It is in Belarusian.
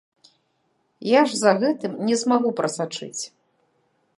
Я ж за гэтым не змагу прасачыць.